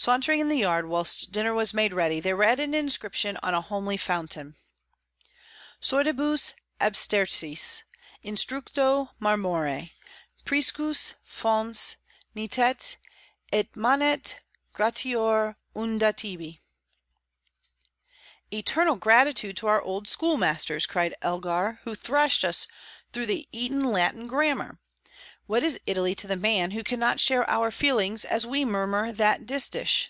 Sauntering in the yard whilst dinner was made ready, they read an inscription on a homely fountain: "Sordibus abstersis, instructo marmore, priscus Fons nitet, et manat gratior unda tibi." "Eternal gratitude to our old schoolmasters," cried Elgar, "who thrashed us through the Eton Latin grammar! What is Italy to the man who cannot share our feelings as we murmur that distich?